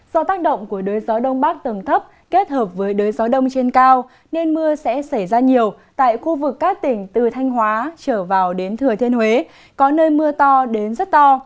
do tác động của đới gió đông bắc tầng thấp kết hợp với đới gió đông trên cao nên mưa sẽ xảy ra nhiều tại khu vực các tỉnh từ thanh hóa trở vào đến thừa thiên huế có nơi mưa to đến rất to